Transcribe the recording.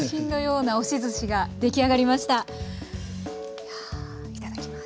いやいただきます。